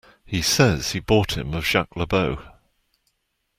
He says he bought him of Jacques Le Beau.